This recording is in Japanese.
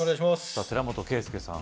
寺本圭佑さん